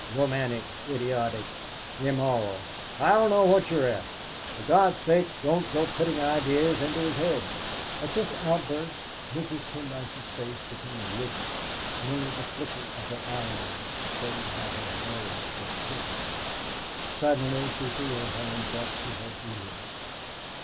Romantic, idiotic, immoral I don't know what you're at. For God's sake don't go putting ideas into his head!" At this outburst Mrs. Pendyce's face became rigid; only the flicker of her eyelids betrayed how her nerves were quivering. Suddenly she threw her hands up to her ears.